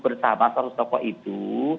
bersama seratus tokoh itu